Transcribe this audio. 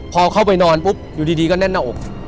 พอเข้าไปนอนปุ๊บอยู่ดีก็แน่นหน้าอก